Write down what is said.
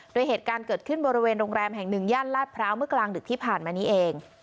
โดยเหตุการณ์เกิดขึ้นบริเวณโรงแรมแห่งหนึ่งย่านลาดพร้าวเมื่อกลางดึกที่ผ่านมานี้เอง